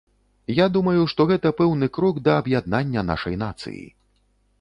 Я думаю, што гэта пэўны крок да аб'яднання нашай нацыі.